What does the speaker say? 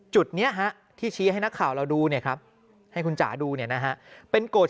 จุดนี้ที่ชี้ให้นักข่าวเราดูนะครับให้คุณจ๋าดูนะฮะเป็นกรด